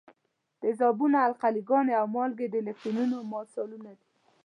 تیزابونه، القلي ګانې او مالګې د الکترولیتونو مثالونه دي.